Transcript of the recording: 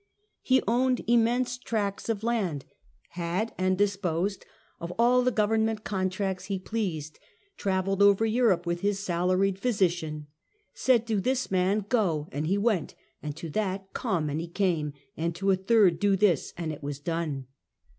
He owned immense tracts of land; had and disposed of all the government contracts he pleased; traveled over Europe with his salaried physician ; said to this man "go," and he went, to that "come," and he came, and to a third " do this," and it was done.